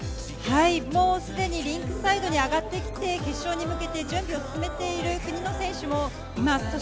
すでにリンクサイドに上がってきて、決勝に向けて、準備を進めている国の選手もいます。